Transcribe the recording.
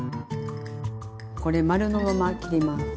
これ丸のまま切ります。